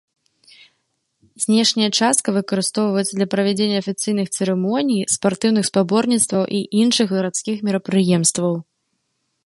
Знешняя частка выкарыстоўваецца для правядзення афіцыйных цырымоній, спартыўных спаборніцтваў і іншых гарадскіх мерапрыемстваў.